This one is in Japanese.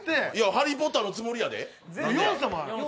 ハリー・ポッターのつもりやで。